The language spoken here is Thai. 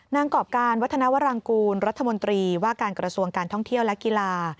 กรอบการวัฒนวรางกูลรัฐมนตรีว่าการกระทรวงการท่องเที่ยวและกีฬา